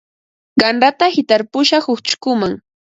Qanrata hitarpushaq uchkuman.